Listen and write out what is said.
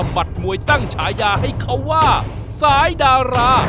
มัดมวยตั้งฉายาให้เขาว่าสายดารา